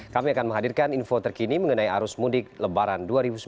kami akan menghadirkan info terkini mengenai arus mudik lebaran dua ribu sembilan belas